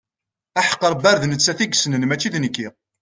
Aḥeqq Rebbi ar d nettat i yessnen wala nekki.